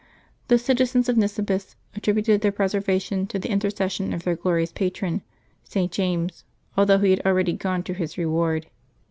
The citizens of [N'isibis at tributed their preservation to the intercession of their glorious patron, St. James, although he had already gone to his reward.